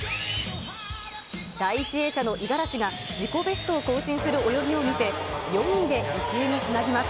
第１泳者の五十嵐が自己ベストを更新する泳ぎを見せ、４位で池江につなぎます。